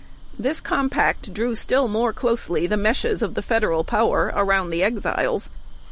This compact drew still more closely the meshes of the federal power around the Exiles.